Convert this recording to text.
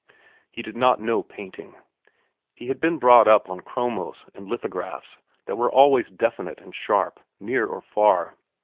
He did not know painting. He had been brought up on chromos and lithographs that were always definite and sharp, near or far.